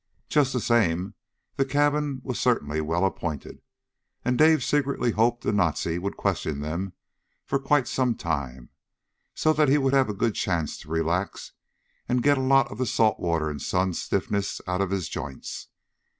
Just the same, the cabin was certainly well appointed, and Dave secretly hoped the Nazi would question them for quite some time so that he would have a good chance to relax and get a lot of the salt water and sun stiffness out of his joints.